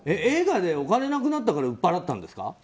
映画でお金なくなったから売っ払ったんですか？